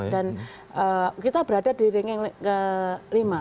dan kita berada di rangkaing kelima